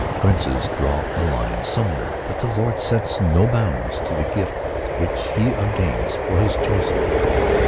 Princes draw a line somewhere, but the Lord sets no bounds to the gifts which he ordains for his chosen.